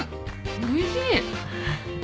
おいしい。